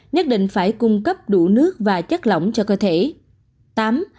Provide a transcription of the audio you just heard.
bảy nhất định phải cung cấp đủ vitamin d c và kẻm